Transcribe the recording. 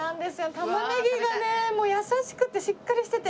タマネギがねもう優しくてしっかりしてて。